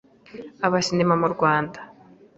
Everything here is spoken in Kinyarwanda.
aba sinema mu Rwanda